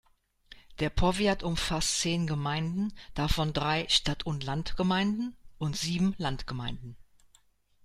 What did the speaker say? Der Powiat umfasst zehn Gemeinden, davon drei Stadt-und-Land-Gemeinden und sieben Landgemeinden.